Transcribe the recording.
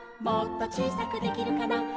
「もっとちいさくできるかな」